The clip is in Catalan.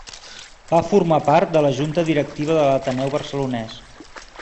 Va formar part de la junta directiva de l'Ateneu Barcelonès.